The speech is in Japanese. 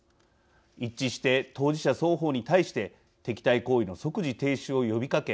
一致して当事者双方に対して敵対行為の即時停止を呼びかけ